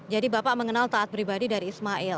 jadi bapak mengenal taat pribadi dari ismail